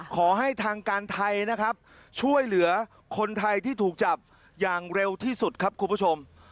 ขอให้ทางการไทยนะครับช่วยเหลือคนไทยที่ถูกจับอย่างเร็วที่สุดครับคุณผู้ชม